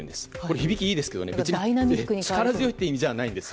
響きはいいですけど力強いという意味じゃないんです。